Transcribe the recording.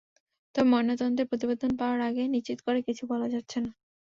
তবে ময়নাতদন্তের প্রতিবেদন পাওয়ার আগে নিশ্চিত করে কিছু বলা যাচ্ছে না।